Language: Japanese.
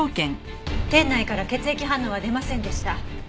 店内から血液反応は出ませんでした。